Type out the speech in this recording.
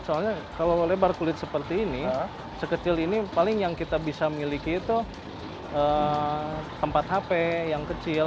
soalnya kalau lebar kulit seperti ini sekecil ini paling yang kita bisa miliki itu tempat hp yang kecil